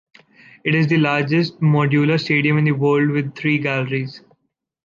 It is the largest modular stadium in the world with three galleries.